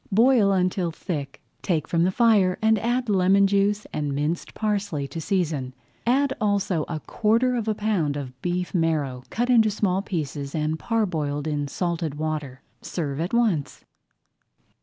Boil until thick, take from the fire and add lemon juice and minced parsley to season. Add also a quarter of a pound of beef marrow cut in small pieces and parboiled in salted water. Serve at once.